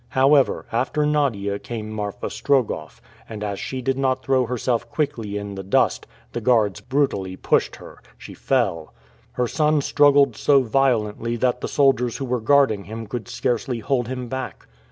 However, after Nadia came Marfa Strogoff; and as she did not throw herself quickly in the dust, the guards brutally pushed her. She fell. Her son struggled so violently that the soldiers who were guarding him could scarcely hold him back.